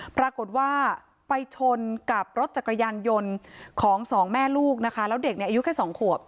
ปรากฏว่าไปชนกับรถจักรยานยนต์ของสองแม่ลูกนะคะแล้วเด็กเนี่ยอายุแค่สองขวบ